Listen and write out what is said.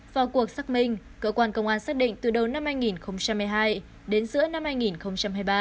vào cuộc xác minh cơ quan công an xác định từ đầu năm hai nghìn hai mươi hai đến giữa năm hai nghìn hai mươi ba